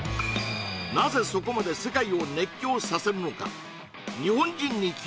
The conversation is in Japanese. なぜそこまで世界を熱狂させるのか？